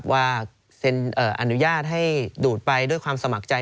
ว่าเซ็นอนุญาตให้ดูดไปด้วยความสมัครใจ